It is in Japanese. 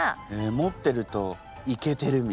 持ってるとイケてるみたいな。